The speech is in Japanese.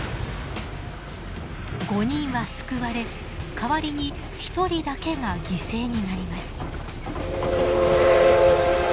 ５人は救われ代わりに１人だけが犠牲になります。